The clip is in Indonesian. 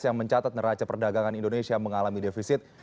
yang mencatat neraca perdagangan indonesia mengalami defisit